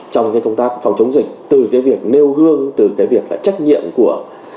trong cái công tác phòng chống dịch từ cái việc nêu gương từ cái việc là trách nhiệm của